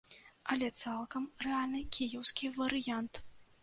Але цалкам рэальны кіеўскі варыянт.